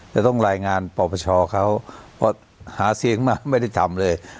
จะต้องรายงานปปชเขาเพราะหาเสียงมาไม่ได้ทำเลย